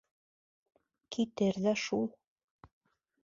Китер ҙә шул.